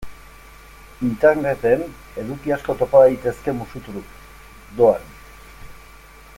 Interneten eduki asko topa daitezke musu-truk, doan.